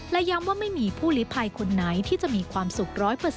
และย้ำว่าไม่มีผู้ลิภัยคนไหนที่จะมีความสุข๑๐๐